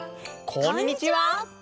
こんにちは！